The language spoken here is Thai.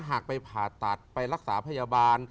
หากไปผ่าตัดไปรักษาพยาบาล